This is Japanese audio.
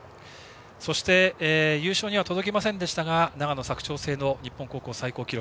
そして、優勝には届きませんでしたが長野・佐久長聖の日本高校最高記録。